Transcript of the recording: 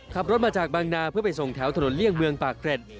ขับรถมาจากบางนาเพื่อไปส่งแถวถนนเลี่ยงเมืองปากเกร็ด